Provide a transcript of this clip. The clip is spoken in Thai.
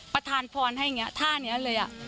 ประธานพรท่านอย่างนี้ท่านอย่างนี้เลย